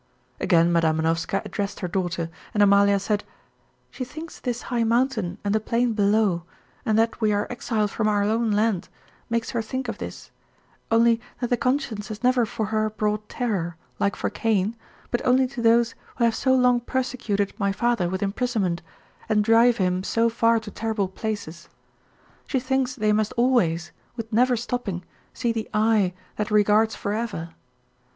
Again Madam Manovska addressed her daughter, and Amalia said: "She thinks this high mountain and the plain below, and that we are exile from our own land, makes her think of this; only that the conscience has never for her brought terror, like for Cain, but only to those who have so long persecuted my father with imprisonment, and drive him so far to terrible places. She thinks they must always, with never stopping, see the 'Eye' that regards forever.